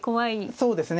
そうですね。